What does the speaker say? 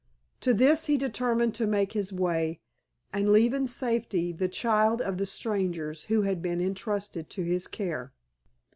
To this he determined to make his way, and leave in safety the child of the strangers who had been entrusted to his care.